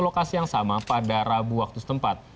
lokasi yang sama pada rabu waktu setempat